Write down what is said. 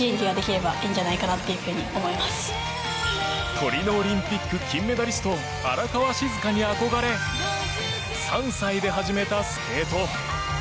トリノオリンピック金メダリスト、荒川静香に憧れ３歳で始めたスケート。